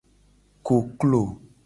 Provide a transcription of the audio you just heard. Koklo.